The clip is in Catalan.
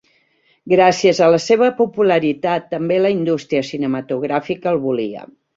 Gràcies a la seva popularitat, també la indústria cinematogràfica el volia.